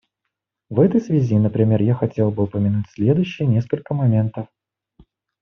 В этой связи, например, я хотел бы упомянуть следующие несколько моментов.